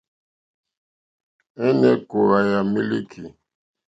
Èné kòòwà yà mílíkì.